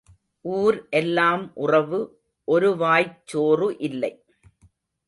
ஊர் எல்லாம் உறவு ஒரு வாய்ச் சோறு இல்லை.